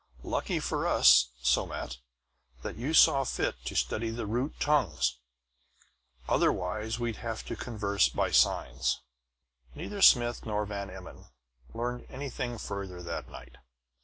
"Lucky for us, Somat, that you saw fit to study the root tongues. Otherwise we'd have to converse by signs." Neither Smith nor Van Emmon learned anything further that night.